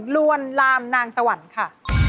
ลวนลามนางสวรรค์ค่ะ